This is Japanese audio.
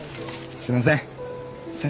すみません。